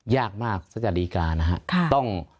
ยากมากซะจะดีการนะครับ